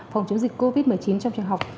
phòng chống dịch covid một mươi chín trong trường học